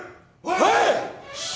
はい！